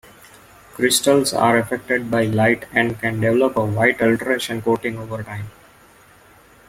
Crystals are affected by light and can develop a white alteration coating over time.